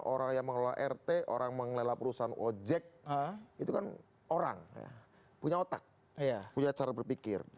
orang yang mengelola rt orang mengelola perusahaan ojek itu kan orang punya otak punya cara berpikir